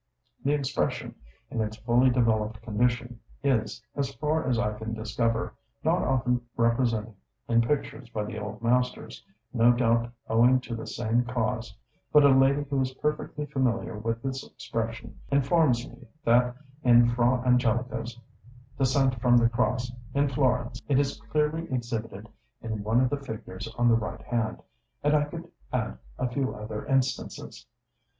The expression, in its fully developed condition, is, as far as I can discover, not often represented in pictures by the old masters, no doubt owing to the same cause; but a lady who is perfectly familiar with this expression, informs me that in Fra Angelico's 'Descent from the Cross' in Florence, it is clearly exhibited in one of the figures on the right hand; and I could add a few other instances.